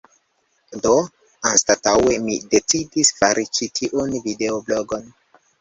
Do, anstataŭe mi decidis fari ĉi tiun videoblogon